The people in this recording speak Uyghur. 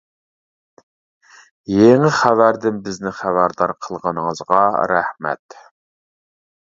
يېڭى خەۋەردىن بىزنى خەۋەردار قىلغىنىڭىزغا رەھمەت!